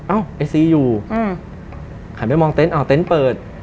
เอ้าไอ้ซีอยู่หันไปมองเต็นต์อ้าวเต็นต์เปิด